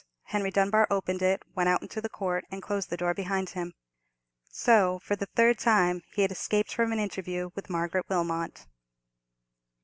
Henry Dunbar opened it, went out into the court, and closed the door behind him. So, for the third time, he escaped from an interview with Margaret Wilmot.